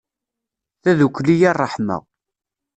Tadukli i ṛṛeḥma.